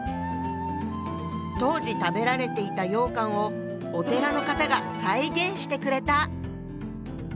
当時食べられていた羊羹をお寺の方が再現してくれた。